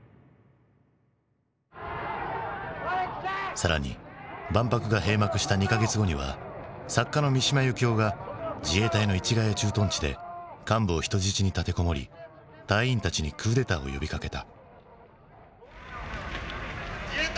更に万博が閉幕した２か月後には作家の三島由紀夫が自衛隊の市ヶ谷駐屯地で幹部を人質に立て籠もり隊員たちにクーデターを呼びかけた。